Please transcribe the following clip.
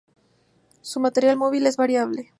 Su material móvil es variable.